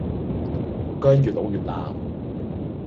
薑越老越辣